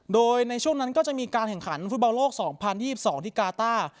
โดยในช่วงนั้นก็จะมีการแข่งขันฟุตบอลโลก๒๐๒๒ที่กาต้า